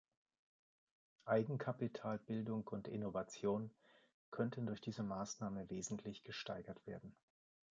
Eigenkapitalbildung und Innovation könnten durch diese Maßnahme wesentlich gesteigert werden.